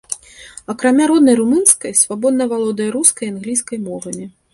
Акрамя роднай румынскай, свабодна валодае рускай і англійскай мовамі.